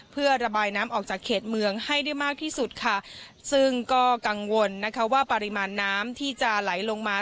เพื่อระบายน้ำออกจากเขตเมืองให้ได้มากที่สุดค่ะซึ่งก็กังวลนะคะว่าปริมาณน้ำที่จะไหลลงมา